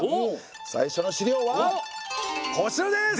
最初の資料はこちらです！